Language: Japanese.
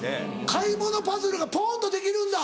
買い物パズルがポンとできるんだ